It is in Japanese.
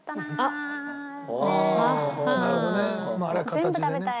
全部食べたい。